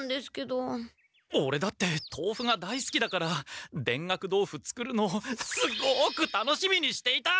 オレだって豆腐が大すきだから田楽豆腐作るのすごく楽しみにしていた！